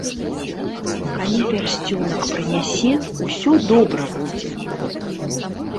Калі пярсцёнак прынясе, усё добра будзе!